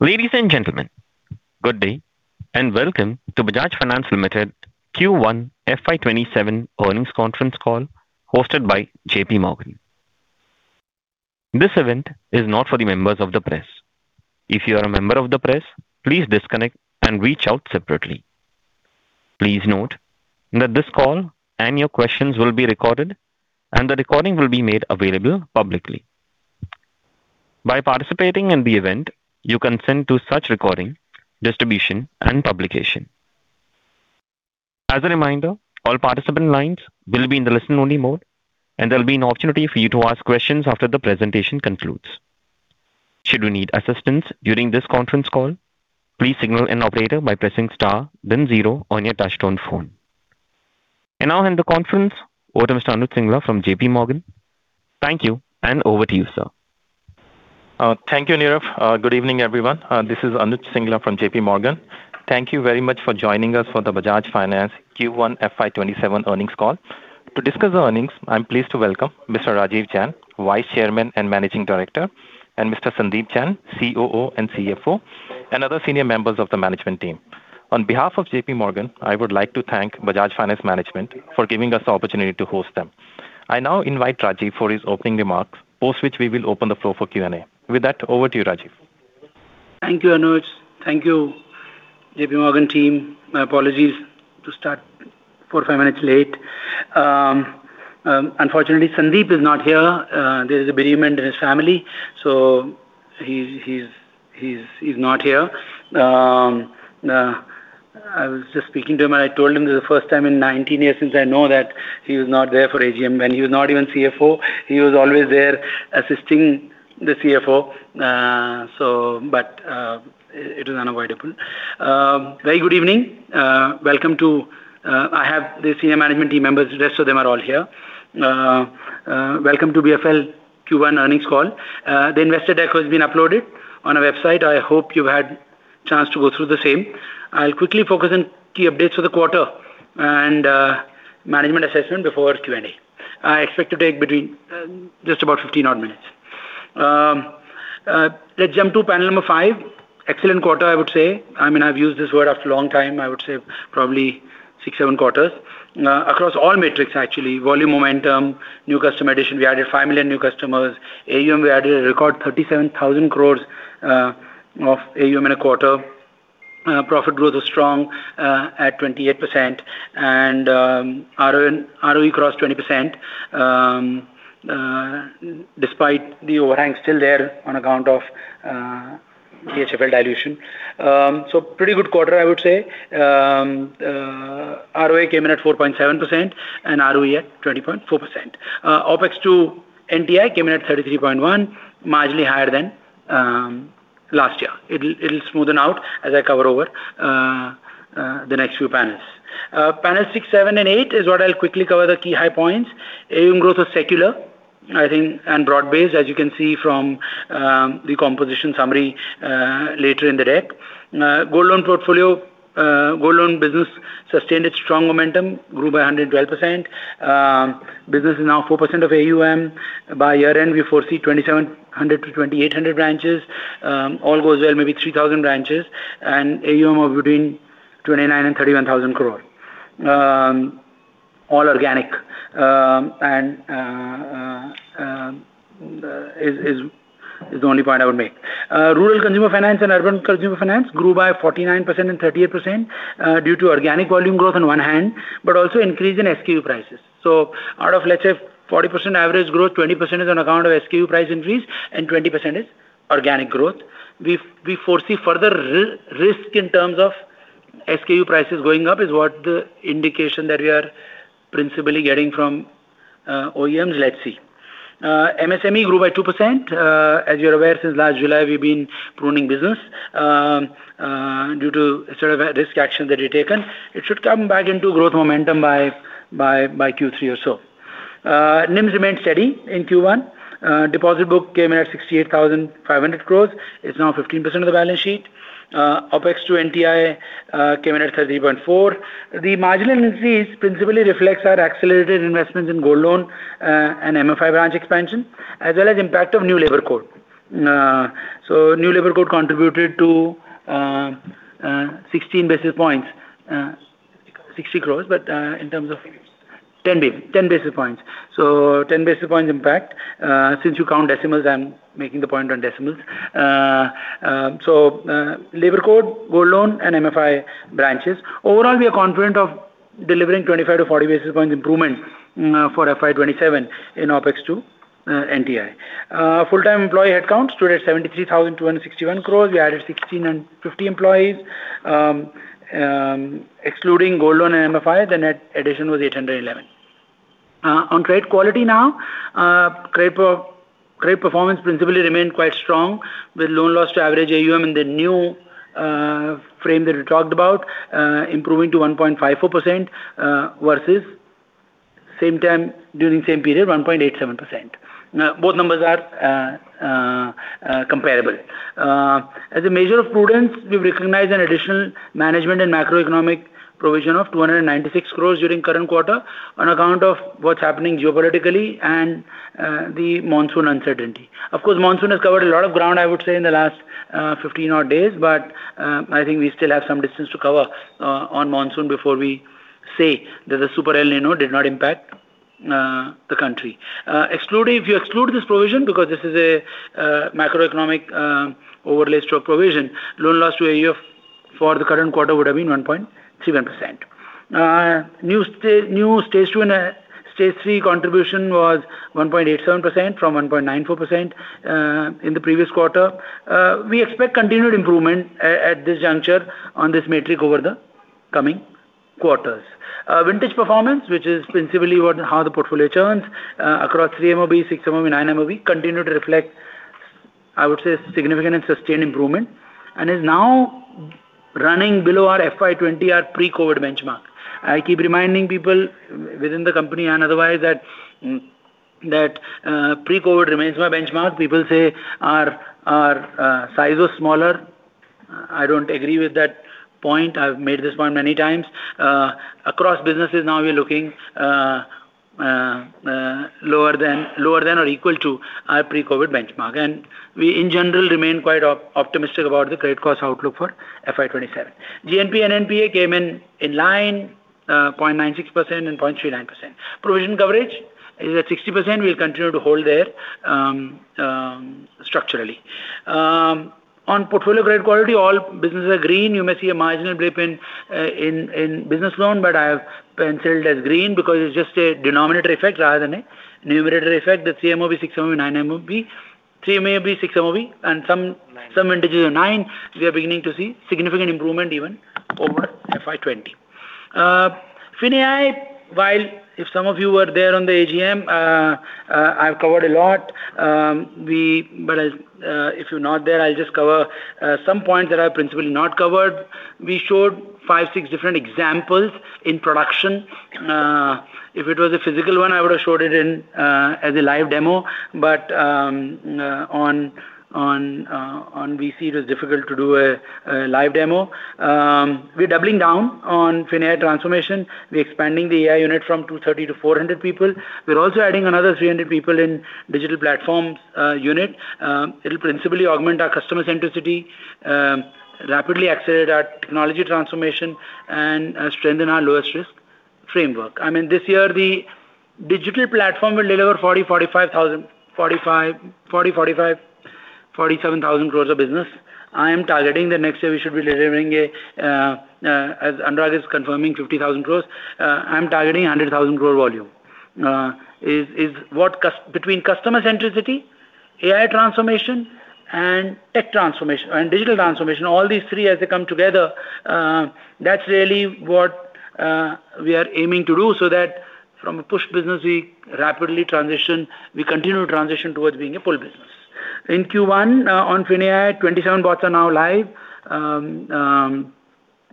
Ladies and gentlemen, good day, and welcome to Bajaj Finance Limited's Q1 FY 2027 Earnings Conference Call hosted by JPMorgan. This event is not for the members of the press. If you are a member of the press, please disconnect and reach out separately. Please note that this call and your questions will be recorded, and the recording will be made available publicly. By participating in the event, you consent to such recording, distribution, and publication. As a reminder, all participant lines will be in the listen-only mode, and there will be an opportunity for you to ask questions after the presentation concludes. Should you need assistance during this conference call, please signal an operator by pressing star then zero on your touch-tone phone. I now hand the conference over to Mr. Anuj Singla from JPMorgan. Thank you, and over to you, sir. Thank you, Nirav. Good evening, everyone. This is Anuj Singla from JPMorgan. Thank you very much for joining us for the Bajaj Finance Q1 FY 2027 earnings call. To discuss earnings, I am pleased to welcome Mr. Rajeev Jain, Vice Chairman and Managing Director, and Mr. Sandeep Jain, COO and CFO; and other senior members of the management team. On behalf of JPMorgan, I would like to thank Bajaj Finance management for giving us the opportunity to host them. I now invite Rajeev for his opening remarks, post which we will open the floor for Q&A. With that, over to you, Rajeev. Thank you, Anuj. Thank you, JPMorgan team. My apologies to start four to five minutes late. Unfortunately, Sandeep is not here. There is a bereavement in his family, so he is not here. I was just speaking to him, and I told him this is the first time in 19 years since I know that he was not there for AGM. He is not even the CFO; he is always there assisting the CFO. It is unavoidable. Very good evening. I have the senior management team members. The rest of them are all here. Welcome to BFL Q1 earnings call. The investor deck has been uploaded on our website. I hope you have had chance to go through the same. I will quickly focus on key updates for the quarter and management assessment before Q&A. I expect to take just about 15-odd minutes. Let us jump to panel number five. Excellent quarter, I would say. I have used this word after a long time, I would say probably six, seven quarters. Across all metrics, actually. Volume momentum, new customer addition. We added 5 million new customers. AUM: we added a record 37,000 crore of AUM in a quarter. Profit growth was strong at 28%, and ROE crossed 20%, despite the overhang still there on account of Dewan Housing Finance Corporation Ltd. dilution. Pretty good quarter, I would say. ROA came in at 4.7% and ROE at 20.4%. OPEX to NTI came in at 33.1%, marginally higher than last year. It will smoothen out as I cover over the next few panels. Panels six, seven, and eight is what I will quickly cover the key high points. AUM growth was secular, I think, and broad-based, as you can see from the composition summary later in the deck. Gold loan business sustained its strong momentum, grew by 112%. Business is now 4% of AUM. By year-end, we foresee 2,700 to 2,800 branches. All goes well, maybe 3,000 branches and AUM of between 29,000 crore and 31,000 crore. "All organic" is the only point I would make. Rural consumer finance and urban consumer finance grew by 49% and 38% due to organic volume growth on one hand but also increase in SKU prices. Out of, let's say, 40% average growth, 20% is on account of SKU price increase, and 20% is organic growth. We foresee further risk in terms of SKU prices going up, is what the indication that we are principally getting from OEMs. Let's see. MSME grew by 2%. As you're aware, since last July, we've been pruning business due to risk action that we had taken. It should come back into growth momentum by Q3 or so. NIMS remained steady in Q1. Deposit book came in at 68,500 crore. It's now 15% of the balance sheet. OPEX to NTI came in at 30.4%. The marginal increase principally reflects our accelerated investments in gold loan and MFI branch expansion, as well as impact of new labor code. New labor code contributed to 16 basis points. 60 crore, but in terms of 10 basis points. 10 basis points impact. Since you count decimals, I'm making the point on decimals. Labor code, gold loan, and MFI branches. Overall, we are confident of delivering a 25-40 basis points improvement for FY 2027 in OPEX to NTI. Full-time employee headcount stood at 73,261. We added 1,650 employees. Excluding gold loan and MFI, the net addition was 811. On credit quality now. Credit performance principally remained quite strong, with loan loss to average AUM in the new frame that we talked about improving to 1.54% versus same time during same period, 1.87%. Both numbers are comparable. As a measure of prudence, we've recognized an additional management and macroeconomic Provision of 296 crore during current quarter on account of what's happening geopolitically and the monsoon uncertainty. Of course, monsoon has covered a lot of ground, I would say, in the last 15 odd days. I think we still have some distance to cover on monsoon before we say that the super El Niño did not impact the country. If you exclude this provision because this is a macroeconomic overlay stock provision, loan loss to AUM for the current quarter would have been 1.7%. New stage 2 and stage 3 contribution was 1.87% from 1.94% in the previous quarter. We expect continued improvement at this juncture on this metric over the coming quarters. Vintage performance, which is principally how the portfolio churns across 3M EV, 6M EV, and 9M EV, continues to reflect, I would say, significant and sustained improvement and is now running below our FY 2020, our pre-COVID benchmark. I keep reminding people within the company and otherwise that pre-COVID remains my benchmark. People say our size was smaller. I don't agree with that point. I've made this point many times. Across businesses now, we're looking lower than or equal to our pre-COVID benchmark. We, in general, remain quite optimistic about the credit cost outlook for FY 2027. GNPA and NPA came in in line, 0.96% and 0.39%. Provision coverage is at 60%; we'll continue to hold there structurally. On portfolio credit quality, all businesses are green. You may see a marginal blip in business loans, but I have penciled as green because it's just a denominator effect rather than a numerator effect. The 3M EV, 6M EV, and 9M EV. 3M EV, 6M EV, and some entities of nine, we are beginning to see significant improvement even over FY 2020. FINAI, while if some of you were there on the AGM, I've covered a lot. If you're not there, I'll just cover some points that I principally not covered. We showed five, six different examples in production. If it was a physical one, I would have showed it in as a live demo. On VC, it was difficult to do a live demo. We're doubling down on FINAI transformation. We're expanding the AI unit from 230 to 400 people. We're also adding another 300 people in digital platform unit. It'll principally augment our customer centricity, rapidly accelerate our technology transformation, and strengthen our lowest-risk framework. This year, the digital platform will deliver 40,000 crore, 45,000 crore, 47,000 crore of business. I am targeting the next year; we should be delivering, as Anand is confirming, 50,000 crore. I'm targeting 100,000 crore volume. Between customer centricity, AI transformation, and tech transformation, and digital transformation, all these three as they come together, that's really what we are aiming to do so that from a push business, we rapidly transition, we continue to transition towards being a pull business. In Q1, on FINAI, 27 bots are now live.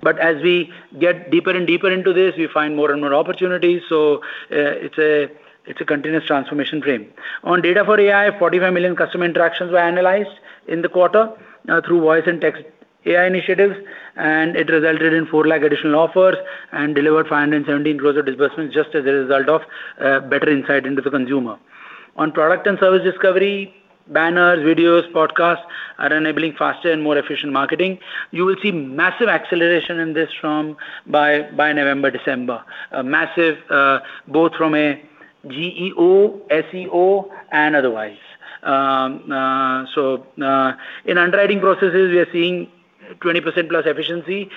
As we get deeper and deeper into this, we find more and more opportunities, so it's a continuous transformation frame. On data for AI, 45 million customer interactions were analyzed in the quarter through voice and text AI initiatives, and it resulted in 4 lakh additional offers and delivered 517 crore of disbursements just as a result of better insight into the consumer. On product and service discovery, banners, videos, podcasts are enabling faster and more efficient marketing. You will see massive acceleration in this from by November, December. Massive, both from a GEO, SEO, and otherwise. In underwriting processes, we are seeing 20% plus efficiency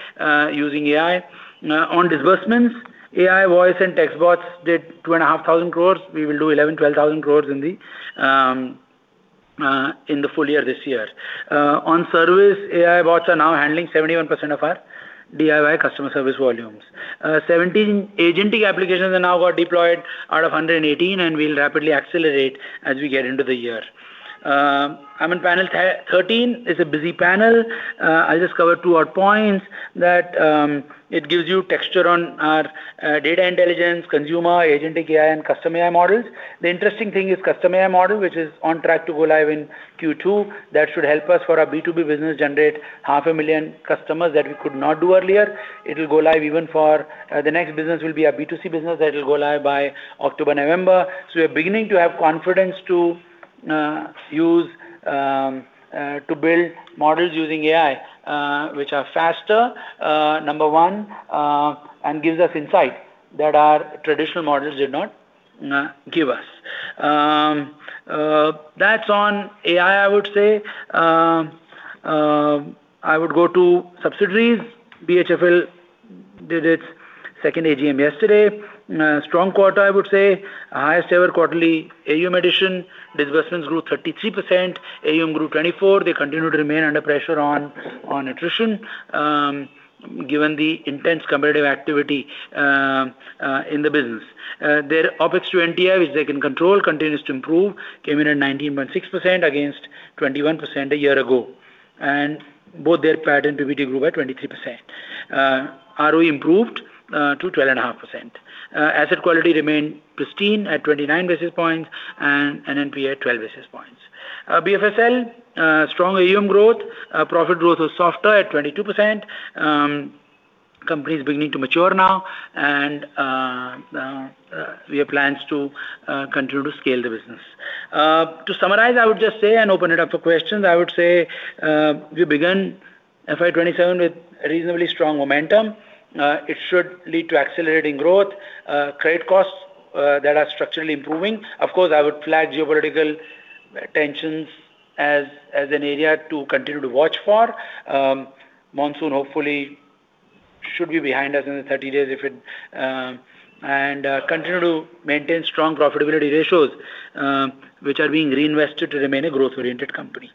using AI. On disbursements, AI voice and text bots did 2,500 crore. We will do 11,000 crore, 12,000 crore in the full year this year. On service, AI bots are now handling 71% of our DIY customer service volumes. 17 agentic applications are now got deployed out of 118, and we will rapidly accelerate as we get into the year. I am in panel 13. It is a busy panel. I will just cover two odd points that it gives you texture on our data intelligence, consumer, agentic AI, and custom AI models. The interesting thing is custom AI model, which is on track to go live in Q2. That should help us for our B2B business generate half a million customers that we could not do earlier. It will go live even for the next business will be a B2C business that will go live by October, November. We are beginning to have confidence to build models using AI, which are faster, number one, and gives us insight that our traditional models did not give us. That is on AI, I would say. I would go to subsidiaries. BHFL did its second AGM yesterday. Strong quarter, I would say. Highest ever quarterly AUM addition. Disbursements grew 33%; AUM grew 24%. They continue to remain under pressure on attrition, given the intense competitive activity in the business. Their OPEX to NTIA, which they can control, continues to improve, came in at 19.6% against 21% a year ago. Both their PAT and PBT grew at 23%. ROE improved to 12.5%. Asset quality remained pristine at 29 basis points and NPA at 12 basis points. BFSL, strong AUM growth. Profit growth was softer at 22%. Company is beginning to mature now, and we have plans to continue to scale the business. To summarize, I would just say, and open it up for questions, I would say we began FY 2027 with reasonably strong momentum. It should lead to accelerating growth. Credit costs that are structurally improving. Of course, I would flag geopolitical tensions as an area to continue to watch for. Monsoon, hopefully, should be behind us in 30 days. Continue to maintain strong profitability ratios, which are being reinvested to remain a growth-oriented company.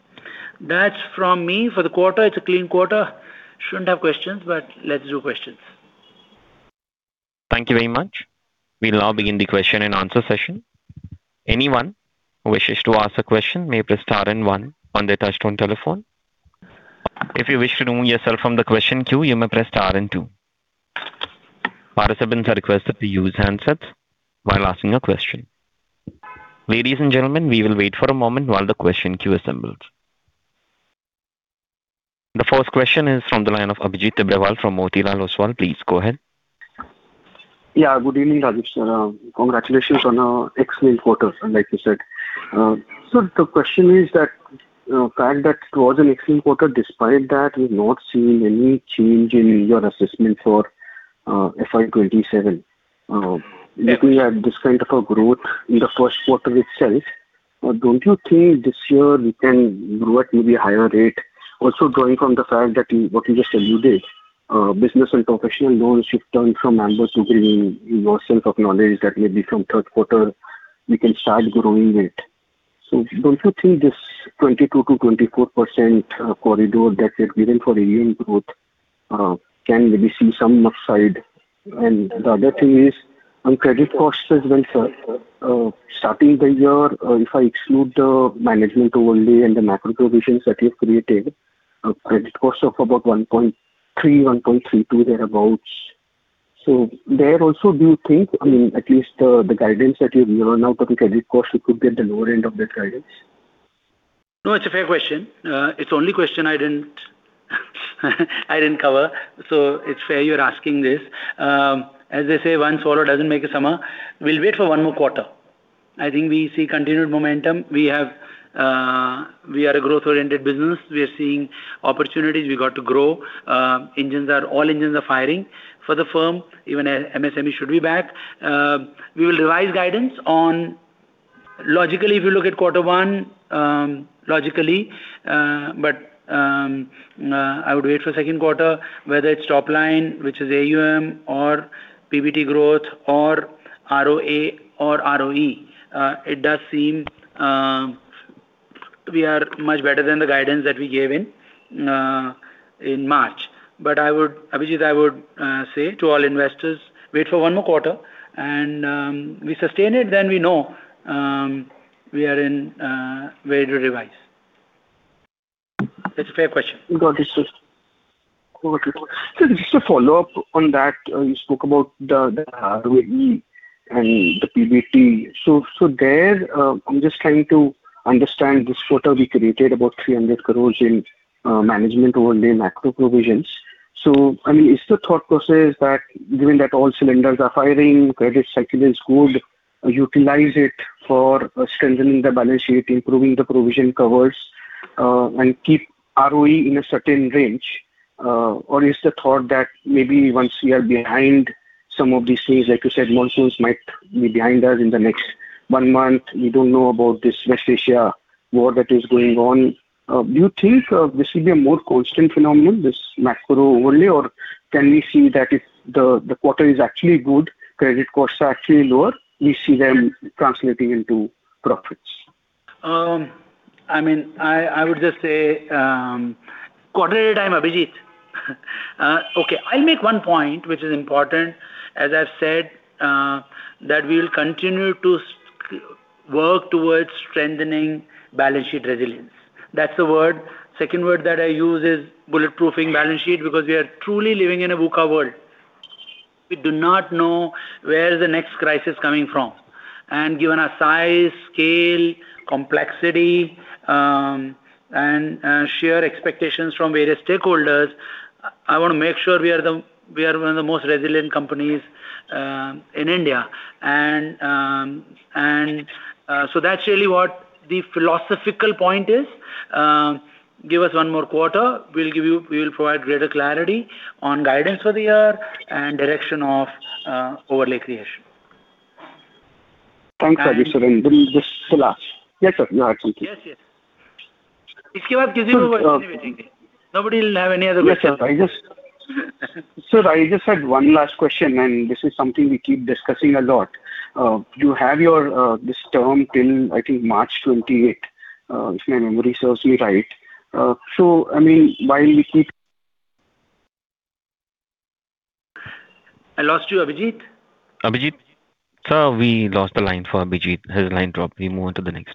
That is from me for the quarter. It is a clean quarter. Should not have questions, but let us do questions. Thank you very much. We will now begin the question and answer session. Anyone who wishes to ask a question may press star and one on their touch-tone telephone. If you wish to remove yourself from the question queue, you may press star and two. Participants are requested to use handsets while asking a question. Ladies and gentlemen, we will wait for a moment while the question queue assembles. The first question is from the line of Abhijit Tibrewal from Motilal Oswal. Please go ahead. Good evening, Rajeev, sir. Congratulations on an excellent quarter, like you said. Sir, the question is that the fact that it was an excellent quarter; despite that, we've not seen any change in your assessment for FY 2027. Looking at this kind of growth in the first quarter itself, don't you think this year we can grow at maybe a higher rate? Also drawing from the fact that what you just alluded, business and professional loans shift down from MAB to bring in your sense of knowledge that maybe from third quarter we can start growing it. Don't you think this 22%-24% corridor that is given for AUM growth can maybe see some upside? The other thing is, on credit costs as well, sir. Starting the year, if I exclude the management overlay and the macro provisions that you've created, a credit cost of about 1.3, 1.32 thereabout. There also, do you think, at least the guidance that you've given out on credit cost, you could be at the lower end of that guidance? It's a fair question. It's the only question I didn't cover, so it's fair you're asking this. As they say, one swallow doesn't make a summer. We'll wait for one more quarter. I think we see continued momentum. We are a growth-oriented business. We are seeing opportunities. We got to grow. All engines are firing. For the firm, even MSME should be back. We will revise guidance on Logically, if you look at quarter one, logically, but I would wait for second quarter, whether it's top line, which is AUM or PBT growth, or ROA or ROE. It does seem we are much better than the guidance that we gave in March. Abhijit, I would say to all investors, wait for one more quarter, and if we sustain it, then we know we are in way to revise. That's a fair question. Got it, sir. Just a follow-up on that. You spoke about the ROE and the PBT. There, I'm just trying to understand this quarter; we created about 300 crores in management overlay macro provisions. Is the thought process that given that all cylinders are firing, credit cycle is good, utilize it for strengthening the balance sheet, improving the provision covers, and keep ROE in a certain range? Or is the thought that maybe once we are behind some of these things, like you said, monsoons might be behind us in the next one month. We don't know about this West Asia war that is going on. Do you think this will be a more constant phenomenon, this macro overlay, or can we see that if the quarter is actually good, credit costs are actually lower, we see them translating into profits? I would just say, a quarter at a time, Abhijit. Okay. I will make one point, which is important, as I have said, that we will continue to work towards strengthening balance sheet resilience. That's a word. Second word that I use is "bulletproofing balance sheet" because we are truly living in a VUCA world. We do not know where the next crisis coming from. Given our size, scale, complexity, and sheer expectations from various stakeholders, I want to make sure we are one of the most resilient companies in India. That's really what the philosophical point is. Give us one more quarter. We will provide greater clarity on guidance for the year and direction of overlay creation. Thanks, Rajeev sir. Just the last. Yes, sir, you had something. Yes. Nobody will have any other questions. Sir, I just had one last question. This is something we keep discussing a lot. You have this term till, I think, March 28th, if my memory serves me right. While we keep- I lost you, Abhijit. Abhijit? Sir, we lost the line for Abhijit. His line dropped. We move on to the next.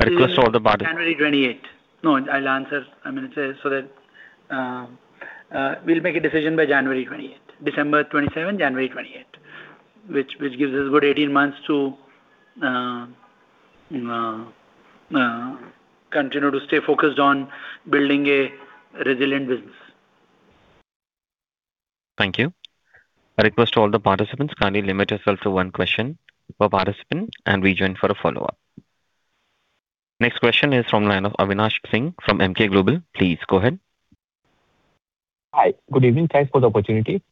A request for the- January 28th. No, I'll answer. We'll make a decision by January 28th. December 27th, January 28th. Which gives us a good 18 months to continue to stay focused on building a resilient business. Thank you. A request to all the participants: kindly limit yourself to one question per participant and rejoin for a follow-up. Next question is from the line of Avinash Singh from Emkay Global. Please go ahead. Hi. Good evening. Thanks for the opportunity.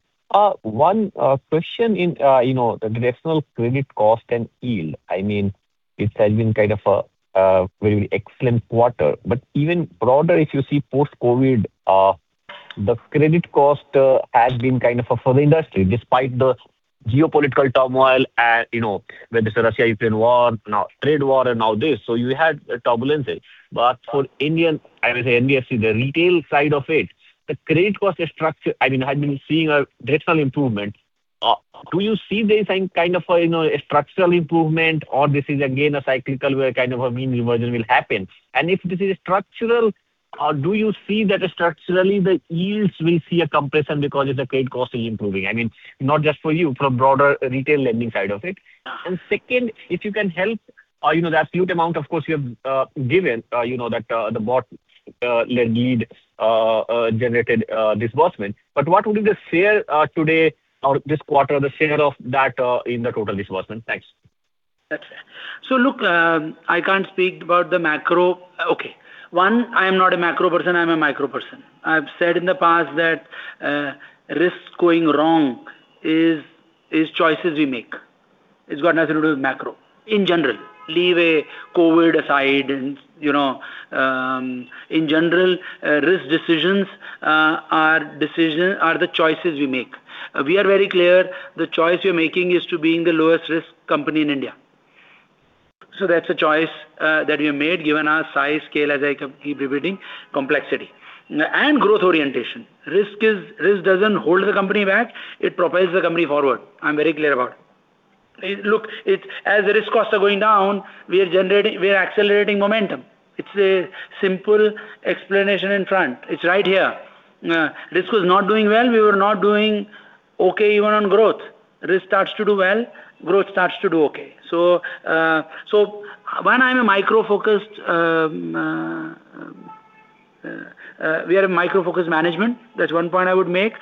One question in the national credit cost and yield. It has been kind of a very excellent quarter. Even broader, if you see post-COVID, the credit cost has been kind of for the industry, despite the geopolitical turmoil and whether it is a Russia-Ukraine war, now trade war and now this, so you had a turbulence there. For Indian, I would say HDFC, the retail side of it, the credit cost structure had been seeing a decimal improvement. Do you see the same kind of structural improvement, or this is again a cyclical where kind of a mean reversion will happen? If this is structural, do you see that structurally the yields will see a compression because of the credit cost is improving? Not just for you, from broader retail lending side of it. Second, if you can help, the absolute amount, of course, you have given that the bot lead generated disbursement. What would be the share today or this quarter, the share of that in the total disbursement? Thanks. That's fair. Look, I can't speak about the macro. Okay. One, I am not a macro person; I'm a micro person. I've said in the past that risks going wrong is choices we make. It's got nothing to do with macro. In general, leave COVID aside, and in general, risk decisions are the choices we make. We are very clear: the choice we are making is to being the lowest risk company in India. That's a choice that we have made given our size, scale, as I keep repeating, complexity, and growth orientation. Risk doesn't hold the company back; it propels the company forward. I'm very clear about it. Look, as the risk costs are going down, we are accelerating momentum. It's a simple explanation in front. It's right here. Risk was not doing well, we were not doing okay even on growth. Risk starts to do well, growth starts to do okay. One, we are microfocused management. That's one point I would make.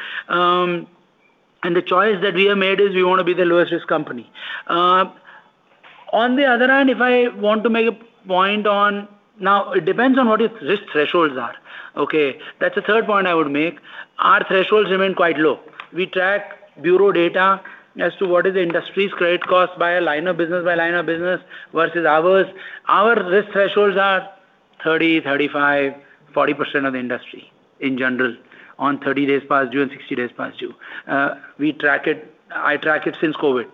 The choice that we have made is we want to be the lowest risk company. On the other hand, if I want to make a point on, now, it depends on what its risk thresholds are. Okay? That's the third point I would make. Our thresholds remain quite low. We track bureau data as to what is the industry's credit cost by line of business versus ours. Our risk thresholds are 30%, 35%, 40% of the industry, in general, on 30 days past due and 60 days past due. I track it since COVID.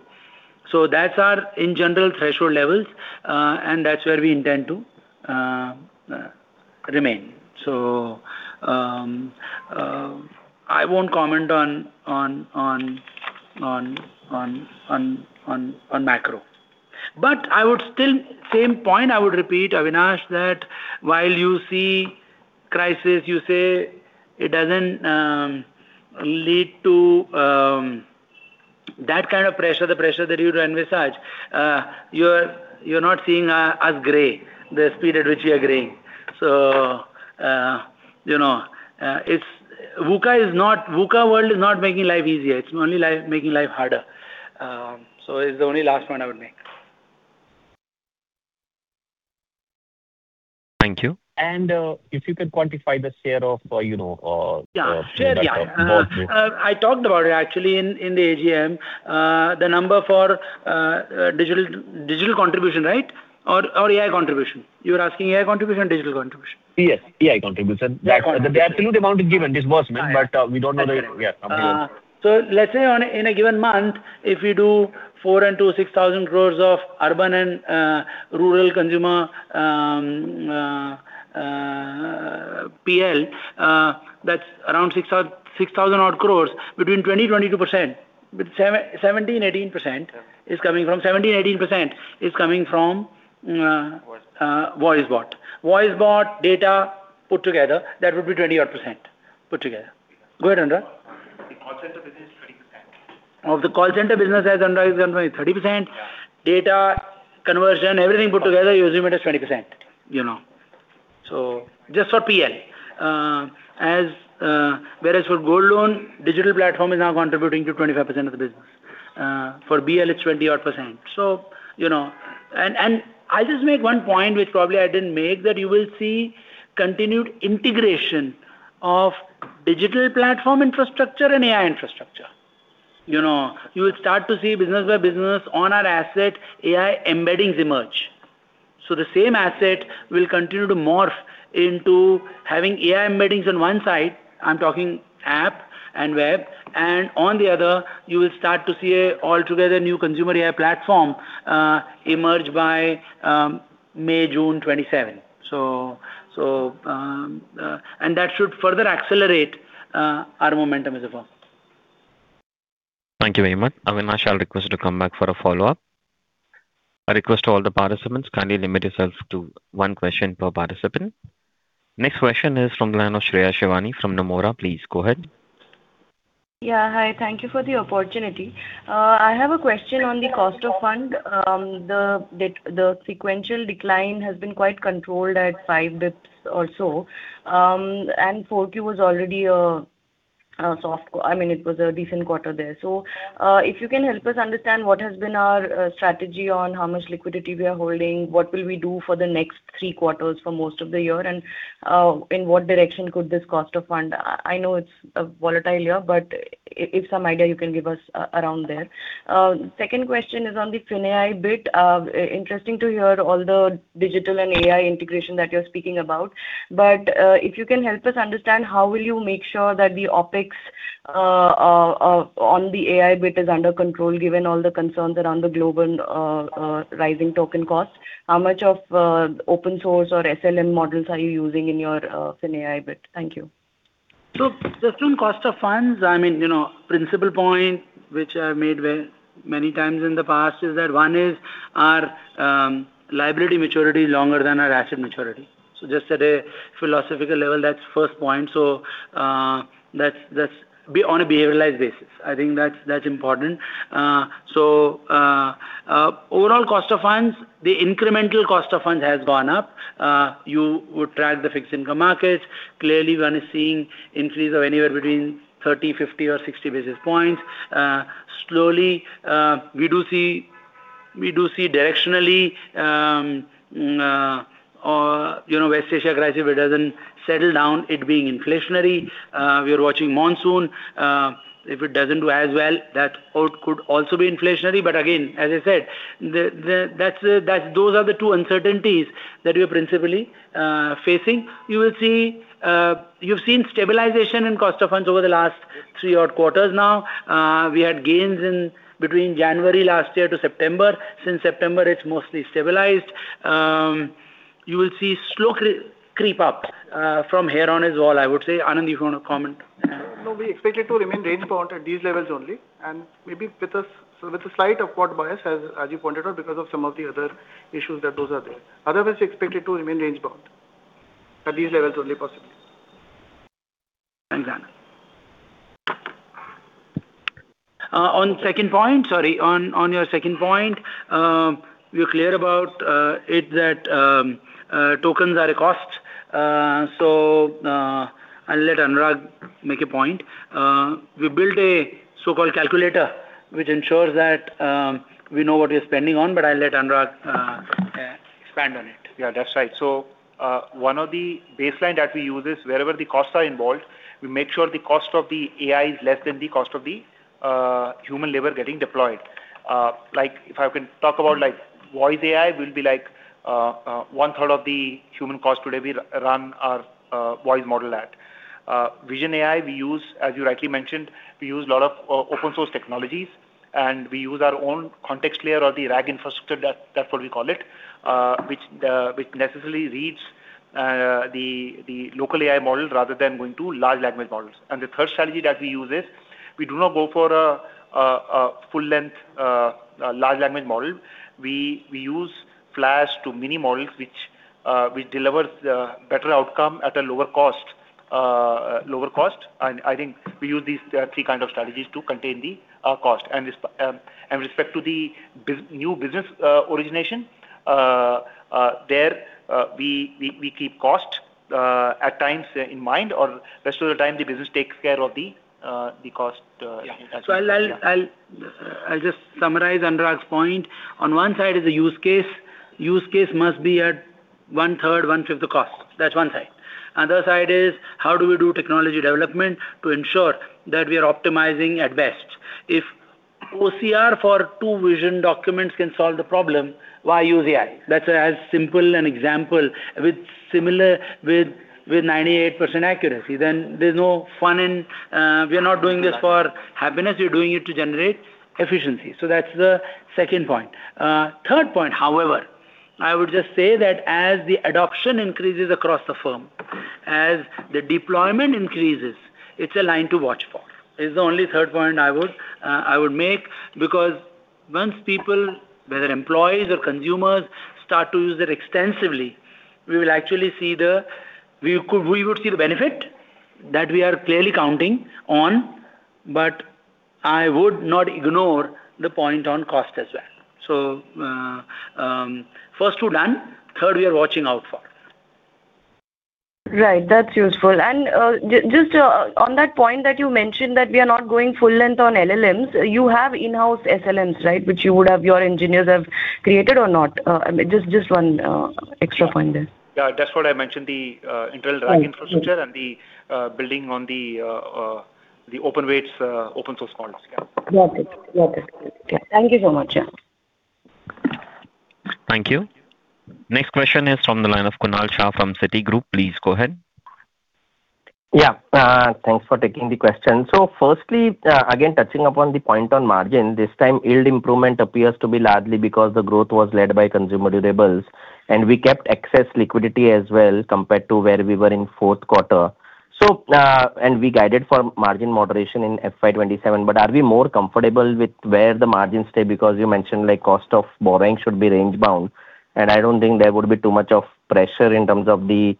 That's our, in general, threshold levels, and that's where we intend to remain. I won't comment on macro. I would still, same point I would repeat, Avinash, that while you see crisis, you say it doesn't lead to that kind of pressure, the pressure that you run with such. You're not seeing us gray, the speed at which we are graying. VUCA world is not making life easier; it's only making life harder. It is the only last point I would make. Thank you. If you could quantify the share of Yeah. Share, yeah. I talked about it, actually, in the AGM. The number for digital contribution, right? Or AI contribution. You're asking AI contribution or digital contribution? Yes, AI contribution. The absolute amount is given, disbursement, but we don't know the Let's say in a given month, if you do 4,000-6,000 crore of urban and rural consumer PL, that's around 6,000-odd crore; between 20%-22%, 17%-18% is coming from voice bots. Voicebot data put together, that would be 20-odd%. Put together. Go ahead, Anand. The call center business is 20%. Of the call center business, as Anand has confirmed, is 30%. Yeah. Data conversion, everything put together, you assume it is 20%. Just for PL. For gold loans, digital platform is now contributing to 25% of the business. For BL, it's 20 odd %. I just make one point, which probably I didn't make, that you will see continued integration of digital platform infrastructure and AI infrastructure. You will start to see business by business on our asset, AI embeddings emerge. The same asset will continue to morph into having AI embeddings; on one side, I'm talking app and web, and on the other, you will start to see a altogether new consumer AI platform emerge by May, June 2027. That should further accelerate our momentum as well. Thank you very much. Avinash, I'll request you to come back for a follow-up. A request to all the participants: kindly limit yourself to one question per participant. Next question is from the line of Shreya Shivani from Nomura. Please go ahead. Yeah, hi. Thank you for the opportunity. I have a question on the cost of funds. The sequential decline has been quite controlled at 5 basis points or so, and 4Q was already a decent quarter there. If you can help us understand what has been our strategy on how much liquidity we are holding, what will we do for the next three quarters for most of the year, and in what direction could this cost of fund, I know it's a volatile year, but if some idea you can give us around there. Second question is on the FINAI bit. Interesting to hear all the digital and AI integration that you're speaking about. If you can help us understand, how will you make sure that the OPEX on the AI bit is under control given all the concerns around the global rising token cost? How much of open source or SLM models are you using in your FINAI bit? Thank you. Just on cost of funds, principal point which I've made many times in the past is that one is our liability maturity is longer than our asset maturity. Just at a philosophical level, that's first point. That's on a behavioralized basis. I think that's important. Overall cost of funds: the incremental cost of funds has gone up. You would track the fixed income markets. Clearly, one is seeing increase of anywhere between 30, 50 or 60 basis points. Slowly, we do see directionally, West Asia crisis, if it doesn't settle down, it being inflationary. We are watching monsoon. If it doesn't do as well, that could also be inflationary. Again, as I said, those are the two uncertainties that we are principally facing. You've seen stabilization in cost of funds over the last three-odd quarters now. We had gains in between January last year to September. Since September, it's mostly stabilized. You will see slow creep up from here on as well, I would say. Anand, you want to comment? We expect it to remain range-bound at these levels only, and maybe with a slight upward bias, as you pointed out, because of some of the other issues that those are there. Otherwise, we expect it to remain range bound at these levels only, possibly. Thanks, Anand. On second point, sorry, on your second point, we're clear about it that tokens are a cost. I'll let Anand make a point. We built a so-called calculator, which ensures that we know what we are spending on, but I'll let Anand expand on it. Yeah, that's right. One of the baselines that we use is wherever the costs are involved, we make sure the cost of the AI is less than the cost of the human labor getting deployed. If I can talk about voice AI, will be one-third of the human cost today we run our voice model at. Vision AI, as you rightly mentioned, we use lot of open-source technologies, and we use our own context layer or the RAG infrastructure, that's what we call it, which necessarily reads the local AI models rather than going to large language models. The third strategy that we use is we do not go for a full-length large language model. We use FLAS to mini-models, which delivers better outcomes at a lower cost. I think we use these three kinds of strategies to contain the cost. With respect to the new business origination there, we keep cost at times in mind, or rest of the time the business takes care of the cost. I'll just summarize Anand's point. On one side is the use case. Use case must be at one-third, one-fifth the cost. That's one side. Other side is, how do we do technology development to ensure that we are optimizing at best? If OCR for two vision documents can solve the problem, why use AI? That's as simple an example with similar, with 98% accuracy, then there's no fun, and we are not doing this for happiness; we're doing it to generate efficiency. That's the second point. Third point, however, I would just say that as the adoption increases across the firm, as the deployment increases, it's a line to watch for. This is the only third point I would make because once people, whether employees or consumers, start to use it extensively, we would see the benefit that we are clearly counting on, but I would not ignore the point on cost as well. First two done, third we are watching out for. Right. That's useful. Just on that point that you mentioned that we are not going full length on LLMs, you have in-house SLMs, right? Which your engineers have created or not? Just one extra point there. Yeah, that's what I mentioned, the internal RAG infrastructure and the building on the open weights, open source models. Yeah. Got it. Got it. Thank you so much. Thank you. Next question is from the line of Kunal Shah from Citigroup. Please go ahead. Thanks for taking the question. Firstly, again, touching upon the point on margin, this time yield improvement appears to be largely because the growth was led by consumer durables, and we kept excess liquidity as well compared to where we were in fourth quarter. We guided for margin moderation in FY 2027, but are we more comfortable with where the margins stay? Because you mentioned cost of borrowing should be range-bound, and I don't think there would be too much of pressure in terms of the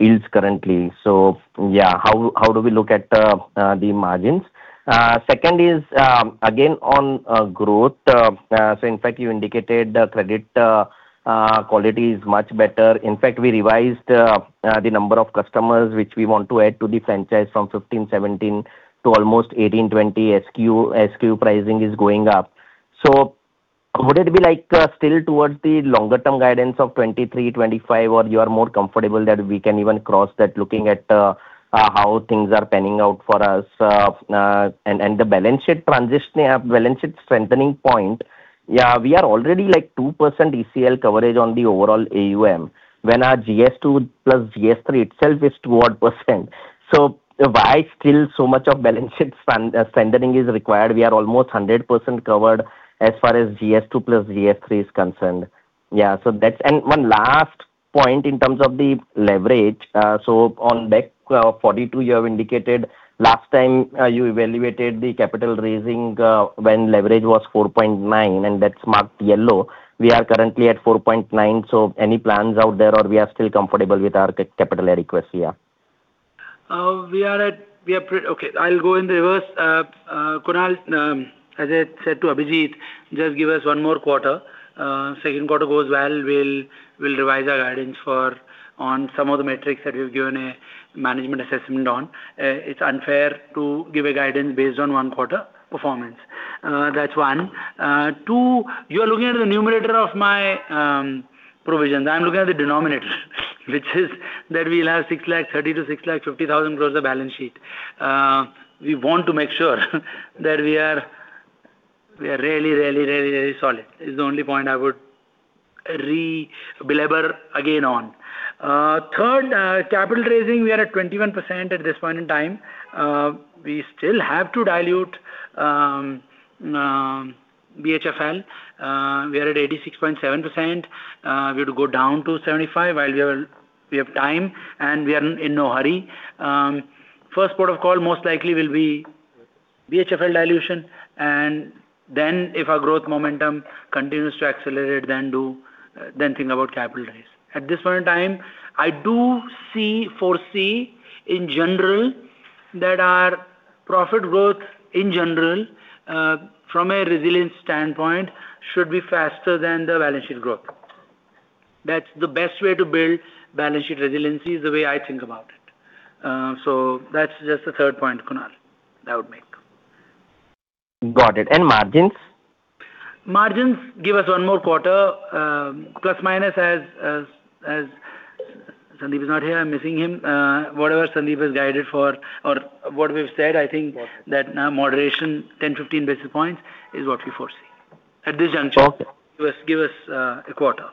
yields currently. How do we look at the margins? Second is, again, on growth. In fact, you indicated the credit quality is much better. In fact, we revised the number of customers which we want to add to the franchise from 15, 17 to almost 18, 20. SKU pricing is going up. Would it be still towards the longer-term guidance of 23-25, or you are more comfortable that we can even cross that looking at how things are panning out for us? The balance sheet transitioning, balance sheet strengthening points: we are already 2% ECL coverage on the overall AUM when our GS2 plus GS3 itself is 2%. Why still so much of balance sheet strengthening is required? We are almost 100% covered as far as GS2 plus GS3 is concerned. One last point in terms of the leverage. On BEC 42, you have indicated last time you evaluated the capital raising when leverage was 4.9, and that's marked yellow. We are currently at 4.9, any plans out there, or we are still comfortable with our capital request here? I'll go in reverse. Kunal, as I said to Abhijit, just give us one more quarter. Second quarter goes well, we'll revise our guidance on some of the metrics that we've given a management assessment on. It's unfair to give a guidance based on one quarter performance. That's one. Two, you are looking at the numerator of my provisions. I'm looking at the denominator, which is that we'll have 630,000-650,000 growth of balance sheet. We want to make sure that we are really, really, really, really solid. This is the only point I would belabor again on. Third, capital raising: we are at 21% at this point in time. We still have to dilute BHFL. We are at 86.7%. We have to go down to 75 while we have time, and we are in no hurry. First port of call most likely will be BHFL dilution, and then if our growth momentum continues to accelerate, then think about capital raise. At this point in time, I do foresee, in general, that our profit growth, in general, from a resilience standpoint, should be faster than the balance sheet growth. That's the best way to build balance sheet resiliency, is the way I think about it. That's just the third point, Kunal, that I would make. Got it. Margins? Margins, give us one more quarter. Plus, minus, as Sandeep is not here, I'm missing him. Whatever Sandeep has guided for or what we've said, I think that now moderation 10, 15 basis points is what we foresee. Give us a quarter.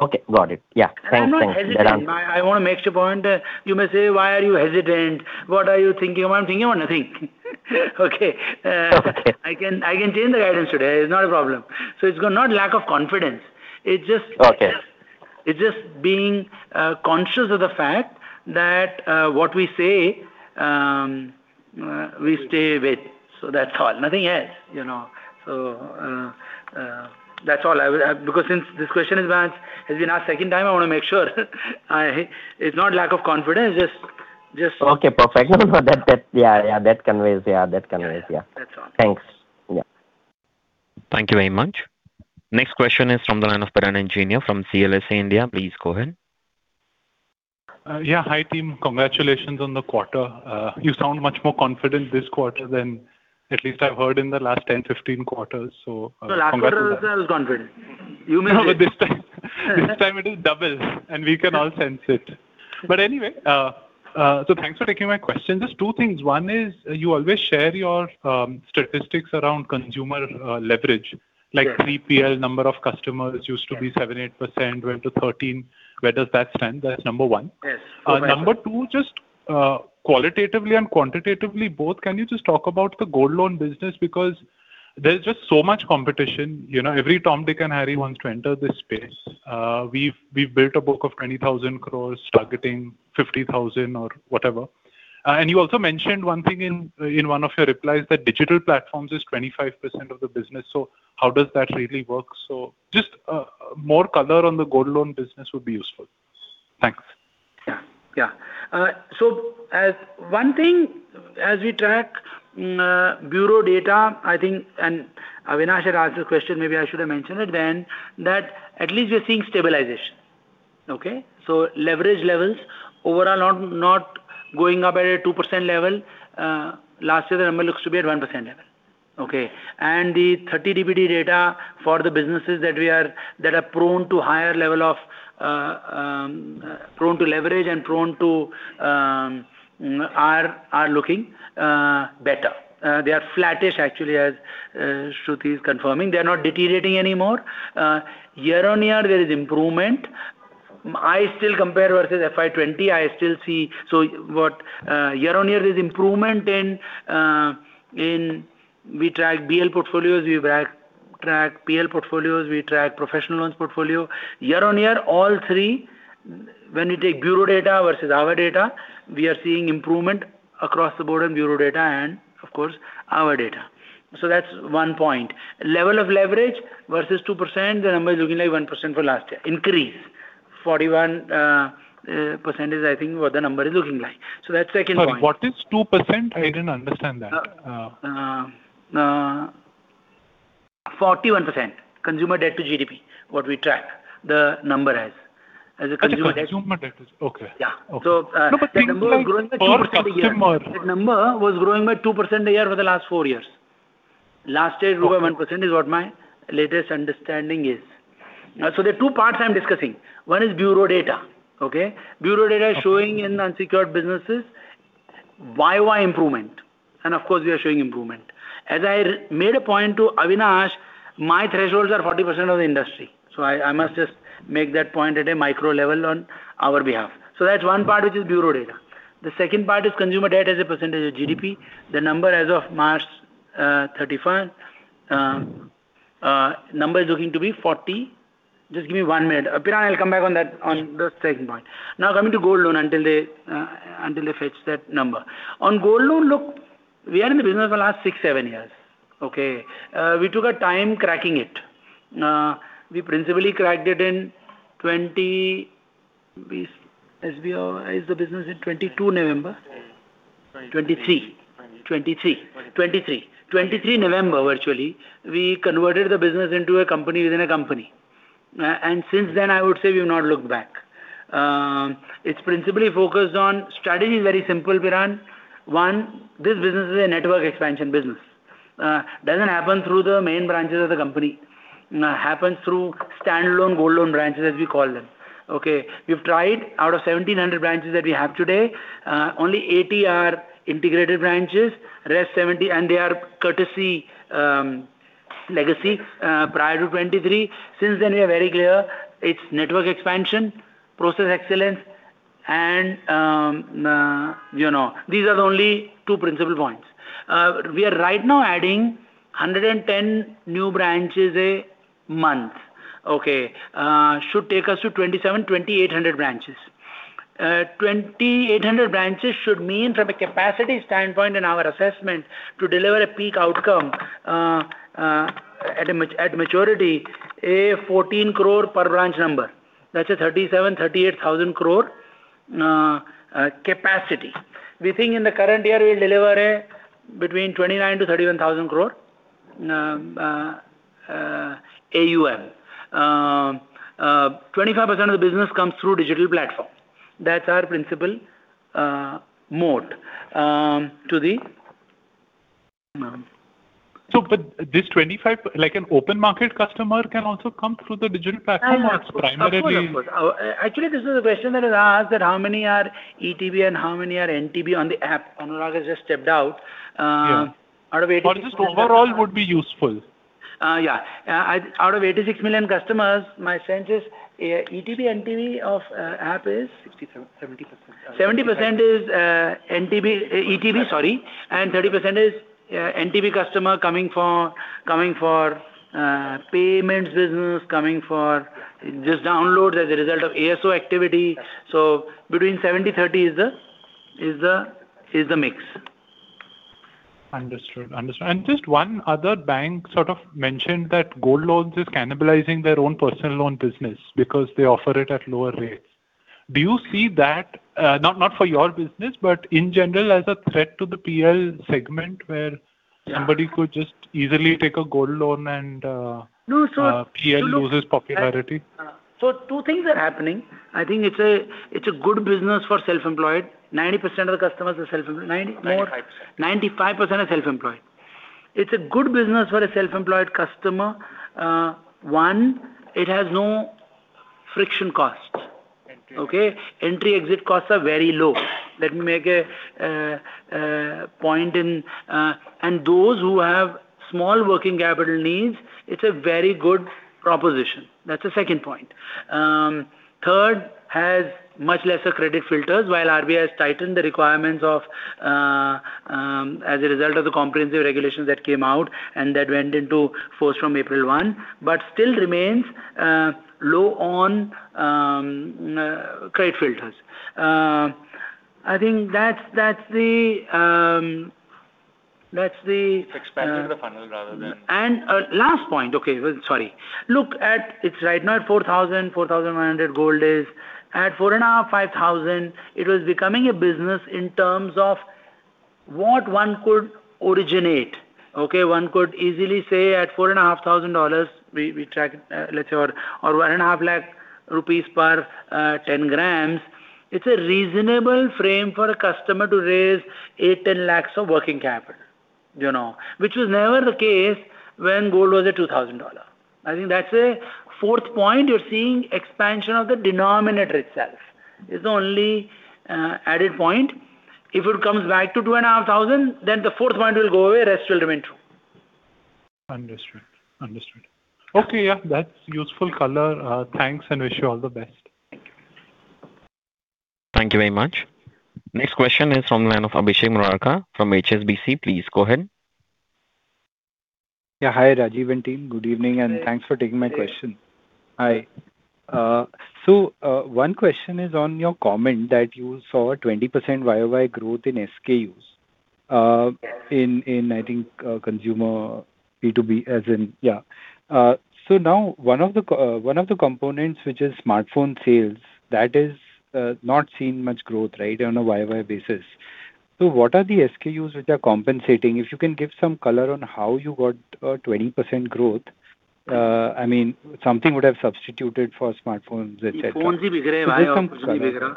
Okay. Got it. Yeah. Thanks. I'm not hesitant. I want to make the point that you may say, "Why are you hesitant? What are you thinking about?" I'm thinking about nothing. Okay. Okay. I can change the guidance today. It's not a problem. It's not lack of confidence. Okay. It's just being conscious of the fact that what we say, we stay with. That's all. Nothing else. That's all. Since this question has been asked second time, I want to make sure it's not lack of confidence. Okay, perfect. Yeah. That conveys. Yeah. That's all. Thanks. Yeah. Thank you very much. Next question is from the line of Piran Engineer from CLSA India. Please go ahead. Yeah. Hi, team. Congratulations on the quarter. You sound much more confident this quarter than at least I've heard in the last 10, 15 quarters, so congrats on that. Last quarter also, I was confident. This time it is double, and we can all sense it. Anyway, thanks for taking my question. Just two things. One is you always share your statistics around consumer leverage. Yeah. Like 3PL number of customers used to be 7%, 8%, and it went to 13%. Where does that stand? That's number one. Yes. Number two, just qualitatively and quantitatively both, can you just talk about the gold loan business? There's just so much competition. Every Tom, Dick, and Harry wants to enter this space. We've built a book of 20,000 crores targeting 50,000 or whatever. You also mentioned one thing in one of your replies, that digital platforms is 25% of the business. How does that really work? Just more color on the gold loan business would be useful. Thanks. Yeah. One thing as we track bureau data, I think Avinash had asked this question; maybe I should have mentioned it then: that at least we are seeing stabilization. Okay. Leverage levels overall are not going up at a 2% level. Last year, the number looks to be at a 1% level. Okay. The 30 DPD data for the businesses that are prone to higher level of leverage and are looking better. They are flattish actually, as Shruti is confirming. They're not deteriorating anymore. Year-on-year, there is improvement. I still compare versus FY 2020. Year-on-year, there's improvement in, we track BL portfolios, we track PL portfolios, we track professional loan portfolios. Year-on-year, all three, when you take bureau data versus our data, we are seeing improvement across the board on bureau data and, of course, our data. That's one point. Level of leverage versus 2%, the number is looking like 1% for last year increase. 41% is, I think, what the number is looking like. That's second point. Sorry, what is 2%? I didn't understand that. 41% consumer debt to GDP, what we track the number as consumer debt. As a consumer debt. Okay. Yeah. Okay. That number was growing by 2% a year. That number was growing by 2% a year over the last four years. Last year it grew by 1%, is what my latest understanding is. There are two parts I am discussing. One is bureau data. Okay. Bureau data is showing in the unsecured businesses YY improvement, and of course, we are showing improvement. As I made a point to Avinash, my thresholds are 40% of the industry. I must just make that point at a micro level on our behalf. That is one part, which is bureau data. The second part is consumer debt as a percentage of GDP. The number as of March 31st, number is looking to be 40. Just give me one minute, Piran; I will come back on the second point. Coming to gold loan until they fetch that number. On gold loans, look, we are in the business for the last six, seven years. Okay. We took our time cracking it. We principally cracked it in SBO, the business, in 2022 November? 2023 November, virtually, we converted the business into a company within a company. Since then, I would say we have not looked back. Strategy is very simple, Piran. One, this business is a network expansion business. Does not happen through the main branches of the company. Happens through standalone gold loan branches, as we call them. Okay. We have tried; out of 1,700 branches that we have today, only 80 are integrated branches. And they are courtesy legacy prior to 2023. Since then we are very clear; it is network expansion, process excellence, and these are the only two principal points. We are right now adding 110 new branches a month. Okay. Should take us to 2,700, 2,800 branches. 2,800 branches should mean, from a capacity standpoint in our assessment to deliver a peak outcome at maturity, an 14 crore per branch number. That is an 37,000-38,000 crore capacity. We think in the current year, we will deliver between 29,000 to 31,000 crore AUM. 25% of the business comes through digital platforms. That's our principle mode. This 25, like an open market customer can also come through the digital platform or it's primarily— Of course. Actually, this is a question that is asked that how many are ETB and how many are NTB on the app? Anand has just stepped out. Yeah. Out of 86 million customers— Just overall would be useful. Yeah. Out of 86 million customers, my sense is ETB, NTB of app is 70%. 70% is ETB and 30% is NTB customers coming for payments business, coming for just downloads as a result of ASO activity. Between 70/30 is the mix. Understood. Just one other bank sort of mentioned that gold loans is cannibalizing their own personal loan business because they offer it at lower rates. Do you see that, not for your business, but in general as a threat to the PL segment where somebody could just easily take a gold loan and No. PL loses popularity? Two things are happening. I think it's a good business for self-employed. 90% of the customers are self-employed. 95%. 95% are self-employed. It's a good business for a self-employed customer. One, it has no friction costs. Entry/exit. Okay. Entry-exit costs are very low. Let me make a point in. Those who have small working capital needs, it's a very good proposition. That's the second point. Third, has much lesser credit filters, while RBI has tightened the requirements as a result of the comprehensive regulations that came out and that went into force from April 1 but still remains low on credit filters. I think that's the. Expanding the funnel rather than. Last point. Okay, sorry. Look, it's right now at 4,000; 4,100 gold is. At 4,500, 5,000, it was becoming a business in terms of what one could originate. Okay. One could easily say at $4,500, we track it, let's say, or 1.5 lakh rupees per 10 grams; it's a reasonable frame for a customer to raise eight, 10 lakhs of working capital. Which was never the case when gold was at $2,000. I think that's a fourth point. You're seeing expansion of the denominator itself, is the only added point. If it comes back to 2,500, the fourth point will go away; rest will remain true. Understood. Okay, yeah. That's useful color. Thanks. Wish you all the best. Thank you very much. Next question is from the line of Abhishek Murarka from HSBC. Please go ahead. Hi, Rajeev and team. Good evening, thanks for taking my question. Hi. Hi. One question is on your comment that you saw a 20% Y-O-Y growth in SKUs in, I think, consumer B2B. Now, one of the components, which is smartphone sales, that is not seeing much growth, right, on a Y-O-Y basis. What are the SKUs which are compensating? If you can give some color on how you got a 20% growth. Something would have substituted for smartphones, et cetera. The phones are also selling, Y-O-Y.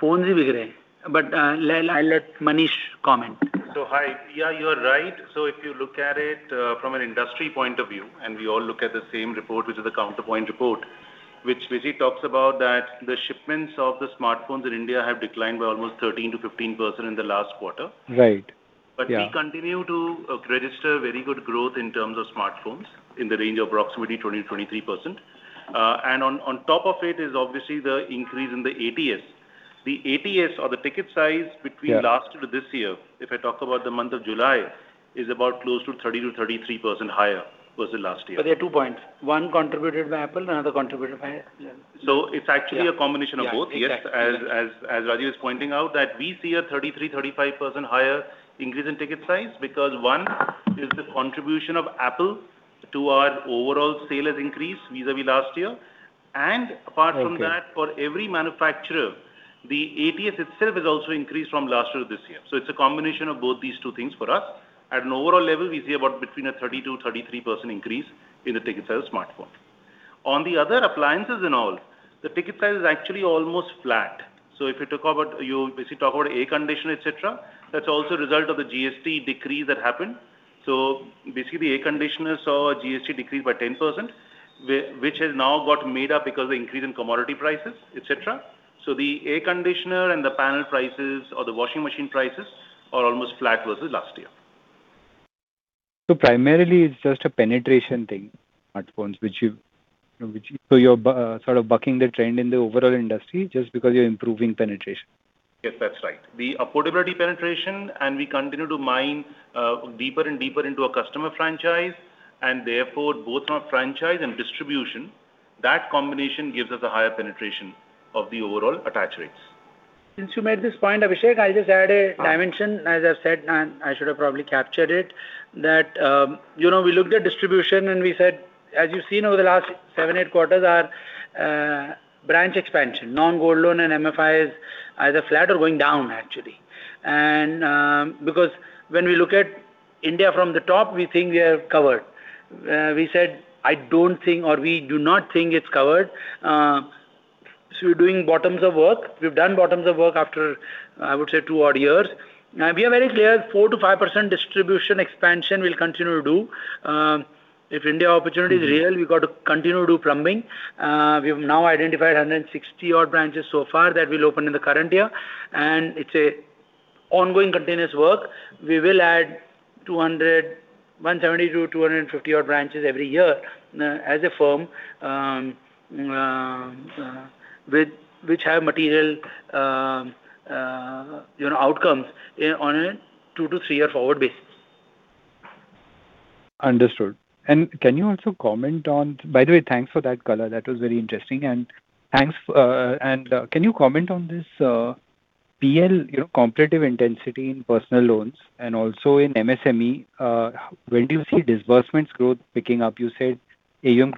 Phones are selling. I'll let Manish comment. Hi. Yeah, you are right. If you look at it from an industry point of view, we all look at the same report, which is the Counterpoint Research report. Which basically talks about that the shipments of the smartphones in India have declined by almost 13%-15% in the last quarter. Right. Yeah. We continue to register very good growth in terms of smartphones, in the range of approximately 20%-23%. On top of it is obviously the increase in the ATS. The ATS or the ticket size between. Yeah Last year to this year, if I talk about the month of July, is about close to 30%-33% higher versus last year. There are two points. One contributed by Apple and another contributed by Yeah. It's actually a combination of both. Yeah, exactly. As Rajeev is pointing out that we see a 33%-35% higher increase in ticket size. One is the contribution of Apple to our overall sales increase vis-a-vis last year. Okay for every manufacturer, the ATS itself has also increased from last year to this year. It's a combination of both these two things for us. At an overall level, we see about between a 32%-33% increase in the ticket sales smartphone. On the other appliances and all, the ticket price is actually almost flat. If you basically talk about air conditioners, et cetera, that's also a result of the GST decree that happened. Basically, the air conditioner saw a GST decrease by 10%, which has now got made up because of the increase in commodity prices, et cetera. The air conditioner and the panel prices or the washing machine prices are almost flat versus last year. Primarily, it's just a penetration thing, smartphones. You're sort of bucking the trend in the overall industry just because you're improving penetration. Yes, that's right. The affordability penetration, we continue to mine deeper and deeper into our customer franchise. Therefore, both our franchise and distribution—that combination gives us a higher penetration of the overall attach rates. Since you made this point, Abhishek, I'll just add a dimension. As I've said, I should have probably captured it, that we looked at distribution and we said, as you've seen over the last seven, eight quarters, our branch expansion, non-gold loan and MFIs, either flat or going down, actually. Because when we look at India from the top, we think we are covered. We said, "I don't think, or we do not think it's covered." We're doing bottoms of work. We've done bottoms of work after, I would say, two odd years. We are very clear 4%-5% distribution expansion we'll continue to do. If India's opportunity is real, we've got to continue to do plumbing. We've now identified 160-odd branches so far that we'll open in the current year; it's an ongoing continuous work. We will add 170-250 odd branches every year as a firm, which have material outcomes on a two to three-year forward basis. Understood. By the way, thanks for that color. That was very interesting. Can you comment on this PL competitive intensity in personal loans and also in MSMEs? When do you see disbursement growth picking up? You said AUM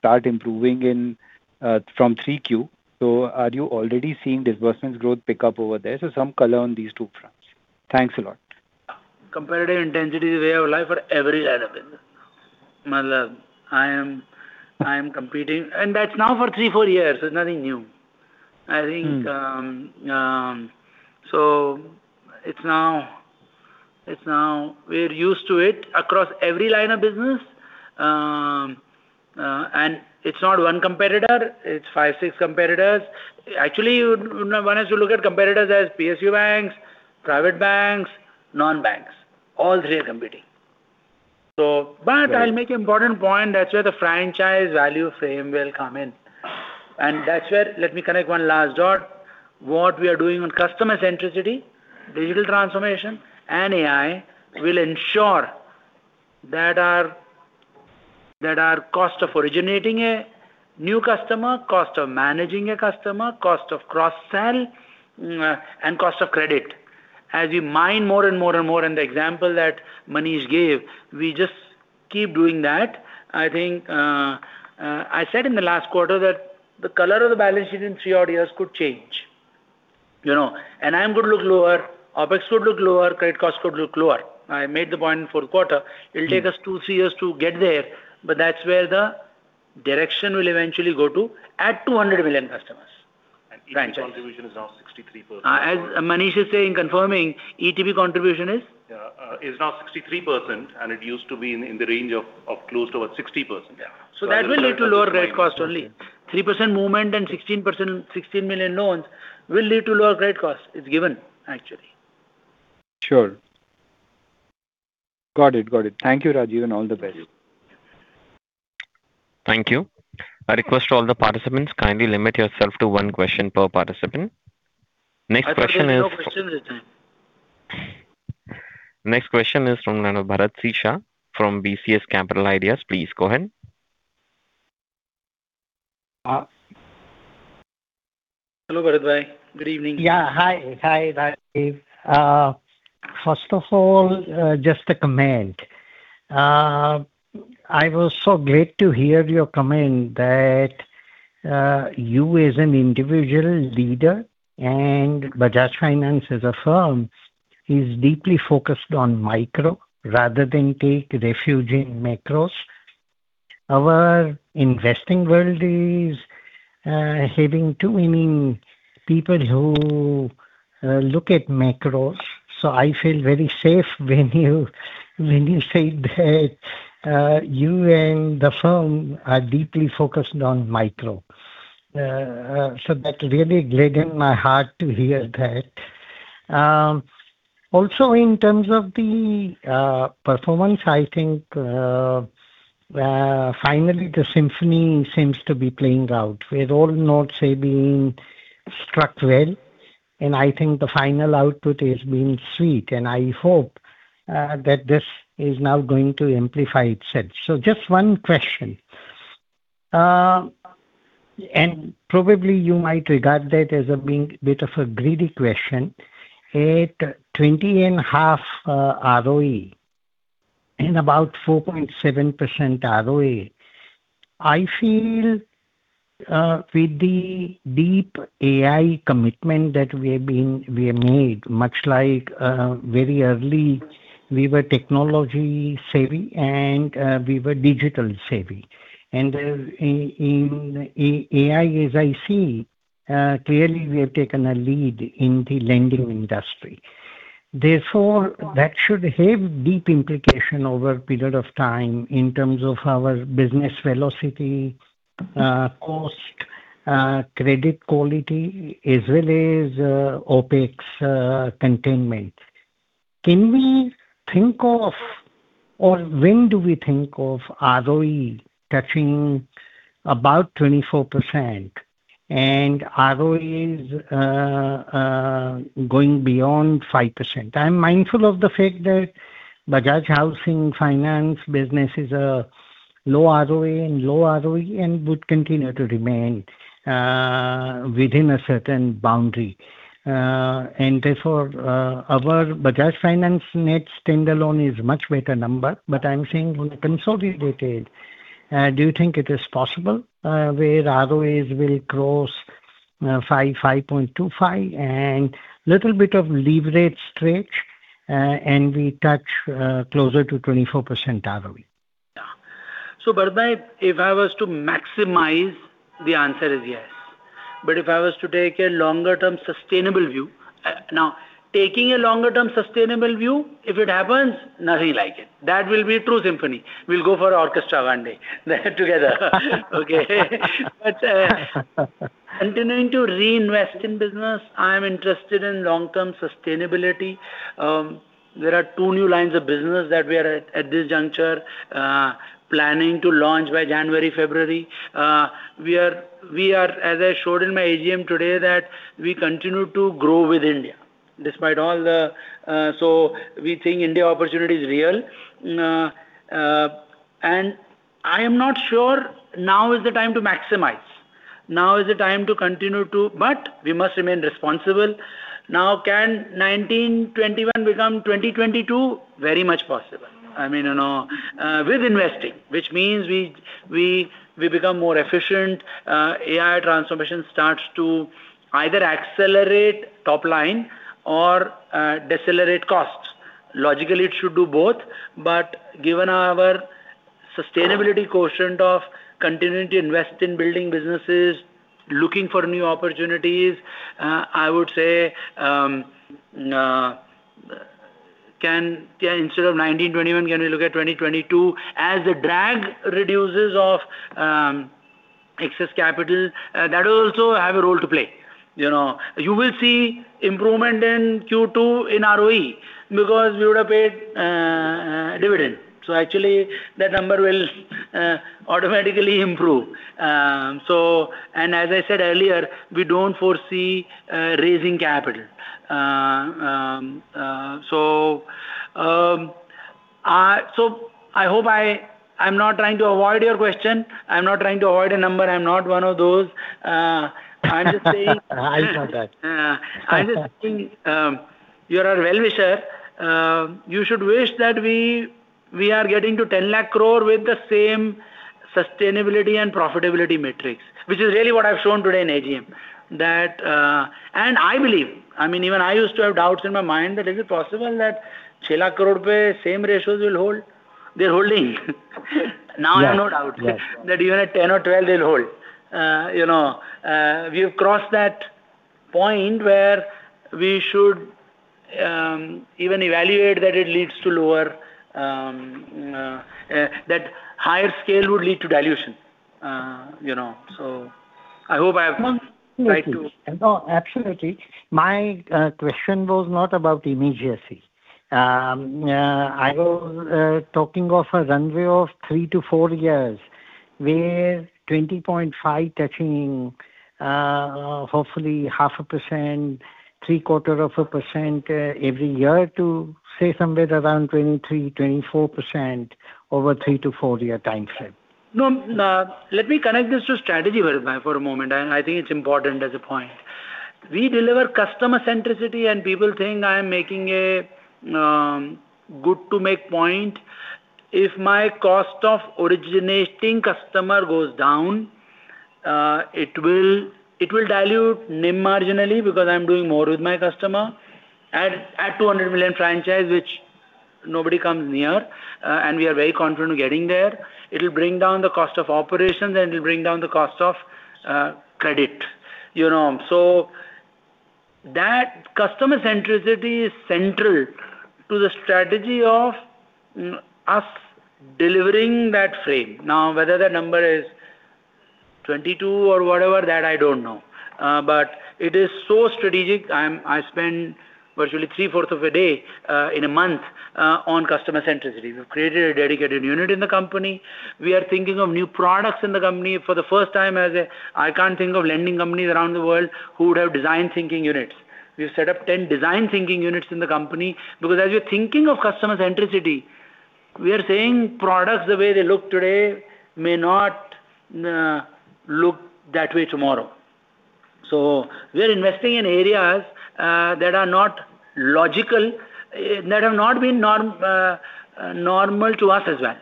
starts improving from 3Q. Are you already seeing disbursement growth pick up over there? Some color on these two fronts. Thanks a lot. Competitive intensity is a way of life for every line of business. I am competing, and that's now for three, four years. It's nothing new. We're used to it across every line of business. It's not one competitor; it's five, six competitors. Actually, one has to look at competitors as PSU banks, private banks, non-banks. All three are competing. I'll make an important point. That's where the franchise value frame will come in. That's where, let me connect one last dot, what we are doing on customer centricity, digital transformation, and AI will ensure that our cost of originating a new customer, cost of managing a customer, cost of cross-sell, and cost of credit. As you mine more and more and more, and the example that Manish gave, we just keep doing that. I said in the last quarter that the color of the balance sheet in three odd years could change. I'm going to look lower; OPEX could look lower, credit cost could look lower. I made the point in the fourth quarter. It'll take us two, three years to get there, but that's where the direction will eventually go to at 200 million customers. Franchise. ETB contribution is now 63%. As Manish is saying, confirming, ETB contribution is? Yeah. Is now 63%, and it used to be in the range of close to about 60%. That will lead to lower credit cost only. 3% movement and 16 million loans will lead to lower credit cost. It's given, actually. Sure. Got it. Thank you, Rajeev, and all the best. Thank you. I request all the participants kindly limit yourself to one question per participant. Next question is- I think there is no questions this time. Next question is from none other, Bharat Shah from BCS Capital Ideas. Please go ahead. Hello, Bharat. Good evening. Yeah. Hi. First of all, just a comment. I was so glad to hear your comment that you as an individual leader and Bajaj Finance as a firm is deeply focused on micro rather than take refuge in macros. Our investing world is having too many people who look at macros; I feel very safe when you say that you and the firm are deeply focused on micro. That really gladdened my heart to hear that. Also, in terms of the performance, I think finally the symphony seems to be playing out, with all notes being struck well, and I think the final output is being sweet, and I hope that this is now going to amplify itself. Just one question. Probably you might regard that as being a bit of a greedy question. At 20 and a half ROE and about 4.7% ROE, I feel with the deep AI commitment that we have made, much like very early we were technology savvy and we were digital savvy. In AI, as I see, clearly we have taken a lead in the lending industry. Therefore, that should have deep implications over a period of time in terms of our business velocity, cost, credit quality, as well as OPEX containment. Can we think of, or when do we think of ROE touching about 24% and ROEs going beyond 5%? I'm mindful of the fact that Bajaj Housing Finance business is a low ROA and low ROE and would continue to remain within a certain boundary. Therefore, our Bajaj Finance net standalone is a much better number, but I'm saying consolidated. Do you think it is possible where ROEs will cross 5.25% and little bit of leverage stretch, and we touch closer to 24% ROE? Yeah. Bharat, if I was to maximize, the answer is yes. If I was to take a longer-term sustainable view. Now, taking a longer-term sustainable view, if it happens, nothing like it. That will be true symphony. We'll go for orchestra one day together. Okay. Continuing to reinvest in business, I am interested in long-term sustainability. There are two new lines of business that we are at this juncture, planning to launch by January, February. As I showed in my AGM today, that we continue to grow with India despite all the. We think India opportunity is real. I am not sure now is the time to maximize. Now is the time to continue to. We must remain responsible. Now, can 19, 21 become 2022? Very much possible. With investing. Which means we become more efficient. AI transformation starts to either accelerate top line or decelerate costs. Logically, it should do both, given our sustainability quotient of continuing to invest in building businesses, looking for new opportunities. I would say, instead of 19, 21, can we look at 2022? As the drag reduces of excess capital, that will also have a role to play. You will see improvement in Q2 in ROE because we would have paid dividend. Actually, that number will automatically improve. As I said earlier, we don't foresee raising capital. I hope I'm not trying to avoid your question. I'm not trying to avoid a number. I'm not one of those. I'm just saying. I know that. I'm just saying, you're our well-wisher. You should wish that we are getting to 10 lakh crore with the same sustainability and profitability metrics, which is really what I've shown today in AGM. I believe. Even I used to have doubts in my mind that is it possible that same ratios will hold at INR 6 lakh crore? They're holding. Now I have no doubt that even at 10 or 12, they'll hold. We have crossed that point where we should even evaluate that higher scale would lead to dilution. I hope I have tried to. No, absolutely. My question was not about immediacy. I was talking of a runway of three to four years where 20.5 touching, hopefully half a percent, three-quarters of a percent every year to say somewhere around 23%-24% over three to four-year timeframe. Let me connect this to strategy, Bharat bhai, for a moment. I think it's important as a point. We deliver customer centricity and people think I am making a good-to-make point. If my cost of originating customers goes down, it will dilute NIM marginally because I'm doing more with my customer at 200 million franchise, which nobody comes near, and we are very confident getting there. It'll bring down the cost of operations, and it'll bring down the cost of credit. That customer centricity is central to the strategy of us delivering that frame. Whether the number is 22 or whatever, that I don't know. It is so strategic; I spend virtually three-fourth of a day in a month on customer centricity. We've created a dedicated unit in the company. We are thinking of new products in the company. For the first time, I can't think of lending companies around the world who would have design thinking units. We've set up 10 design thinking units in the company because, as we're thinking of customer centricity, we are saying products the way they look today may not look that way tomorrow. We are investing in areas that are not logical, that have not been normal to us as well.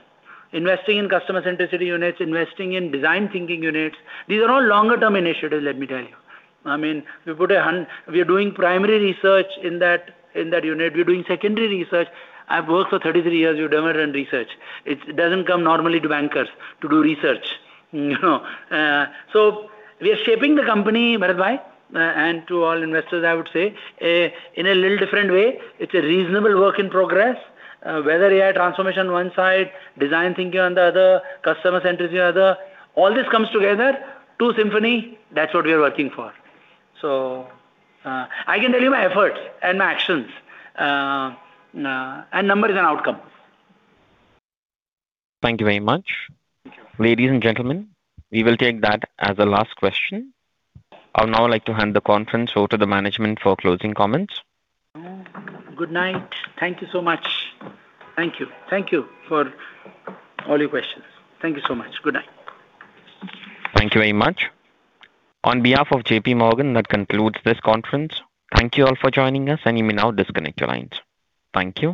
Investing in customer centricity units, investing in design thinking units. These are all longer-term initiatives, let me tell you. We're doing primary research in that unit. We're doing secondary research. I've worked for 33 years; we've never done research. It doesn't come normally to bankers to do research. We are shaping the company, Bharat bhai, and to all investors, I would say, in a little different way. It's a reasonable work in progress. Whether AI transformation one side, design thinking on the other, customer centricity on the other, all this comes together to symphony. That's what we are working for. I can tell you my efforts and my actions, and number is an outcome. Thank you very much. Ladies and gentlemen, we will take that as the last question. I would now like to hand the conference over to the management for closing comments. Good night. Thank you so much. Thank you. Thank you for all your questions. Thank you so much. Good night. Thank you very much. On behalf of JPMorgan, that concludes this conference. Thank you all for joining us. You may now disconnect your lines. Thank you